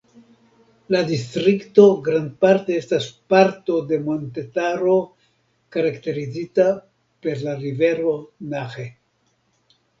La distrikto grandparte estas parto de montetaro karakterizita per la rivero Nahe.